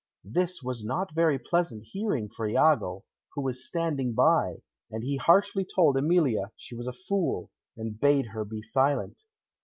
This was not very pleasant hearing for Iago, who was standing by, and he harshly told Emilia she was a fool, and bade her be silent.